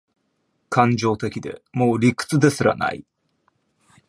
感情的で、もう理屈ですらない